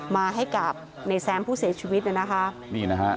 มาให้กับในแซมผู้เสียชีวิตเนี่ยนะคะนี่นะฮะ